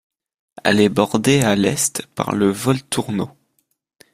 Elle est bordée à l'Est par le Volturno.